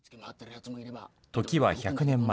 時は１００年前。